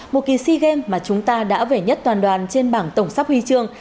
một kỳ sea games mà chúng ta đã về nhất toàn đoàn trên bảng tổng sắp huy chương